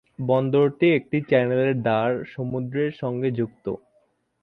বন্দরটি একটি চ্যানেলের দ্বার সমুদ্রের সঙ্গে যুক্ত।